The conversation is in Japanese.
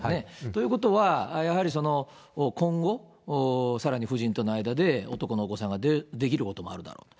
ということは、やはり今後、さらに夫人との間で男のお子さんができることもあるだろうと。